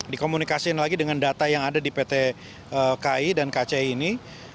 dikomunikasikan lagi dengan data yang ada di pt ki dan kci ini